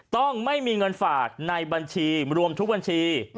ต้องไม่มีเงินฝากในบัญชีรวมทุกบัญชี